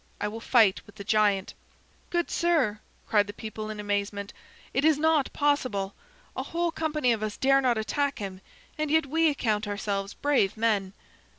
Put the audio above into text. I will fight with the giant." "Good sir," cried the people in amazement, "it is not possible! A whole company of us dare not attack him, and yet we account ourselves brave men."